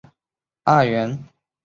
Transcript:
少詹事二员。